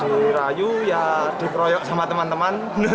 dirayu ya dikeroyok sama teman teman